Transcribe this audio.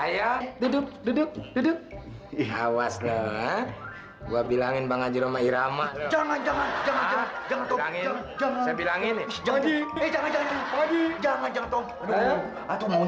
ya lu kenapa nyalahin gua nyalahin pembantu dong